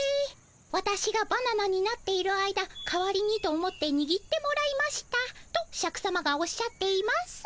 「ワタシがバナナになっている間代わりにと思ってにぎってもらいました」とシャクさまがおっしゃっています。